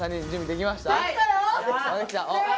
できたよ！